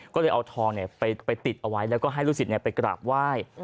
ก็เลยเอาทองไปติดเอาไว้แล้วก็ให้ลูกศิษย์ไปกราบไหว้